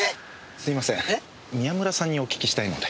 すいません宮村さんにお訊きしたいので。